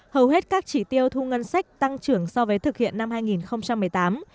hầu hết các chỉ tiêu thu ngân sách tăng trưởng so với thực hiện năm hai nghìn một mươi tám